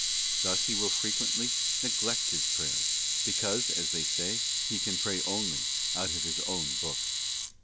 Thus he will frequently neglect his prayers, because, as they say, he can pray only out of his own book.